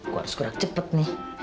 gua harus kurang cepet nih